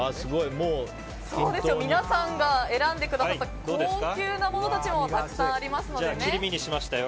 皆さんが選んでくださった高級なものたちも切り身にしましたよ。